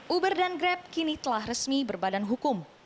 uber dan grab kini telah resmi berbadan hukum